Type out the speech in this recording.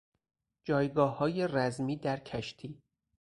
جایگاههای رزمی در کشتی